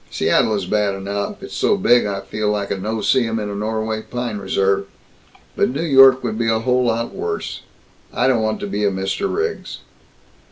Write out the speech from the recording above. Seattle is bad enough it's so big that I feel like a no see um in a Norway pine reserve. But New York would be a lot worse. I don't want to be a Mr. Riggs."